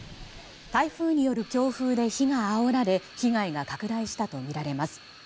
台風による強風で火があおられ被害が拡大したとみられます。